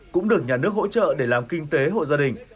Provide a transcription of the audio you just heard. cũng được nhà nước hỗ trợ để làm kinh tế hộ gia đình